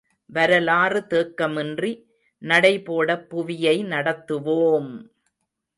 வரலாறு தேக்கமின்றி நடைபோடப் புவியை நடத்துவோம்!